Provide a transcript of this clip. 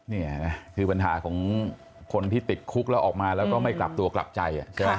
นี่นะคือปัญหาของคนที่ติดคุกแล้วออกมาแล้วก็ไม่กลับตัวกลับใจใช่ไหม